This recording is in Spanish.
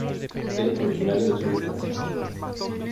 Es originaria del sur de Francia.